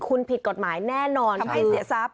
คุณผิดกฎหมายแน่นอนให้เสียทรัพย